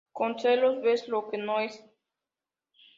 Con Celos ves lo que no es.